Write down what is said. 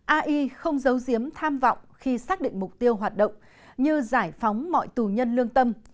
ai không giấu giếm tham vọng khi xác định mục tiêu hoạt động như giải phóng mọi tù nhân lương tâm